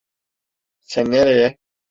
Sen nereye?